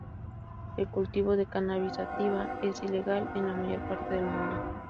El cultivo de "Cannabis sativa" es ilegal en la mayor parte del mundo.